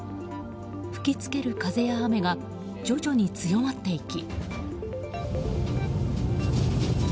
吹き付ける風や雨が徐々に強まっていき。